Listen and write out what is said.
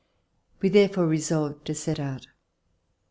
We therefore resolved to set out.